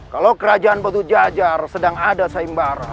kalau kerajaan batu jajar sedang ada saymbara